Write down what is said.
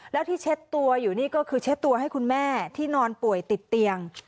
แล้วที่เช็ดตัวอยู่นี่ก็คือเช็ดตัวให้คุณแม่ที่นอนป่วยติดเตียง